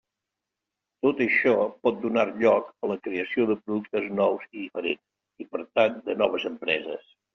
Tot això pot donar lloc a la creació de productes nous i diferents, i per tant de noves empreses.